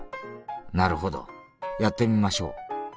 なるほどやってみましょう。